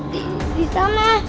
di di sana